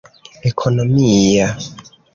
ekonomia